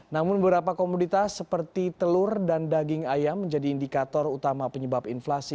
namun beberapa komoditas seperti telur dan daging ayam menjadi indikator utama penyebab inflasi